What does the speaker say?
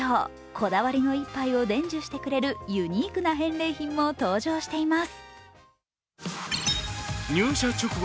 こだわりの一杯を伝授してくれるユニークな返礼品も登場しています。